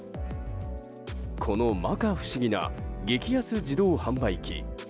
この摩訶不思議な激安自動販売機。